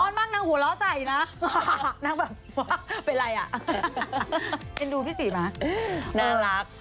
อ้อนมากนางหัวล้อใสนะนางแบบว่าเป็นไรอ่ะเป็นดูพี่ศรีมากน่ารัก